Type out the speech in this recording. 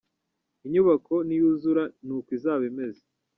Inyubako niyuzura ni uku izaba imeze.